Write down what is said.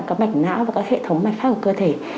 có mạch não và các hệ thống mạch phát của cơ thể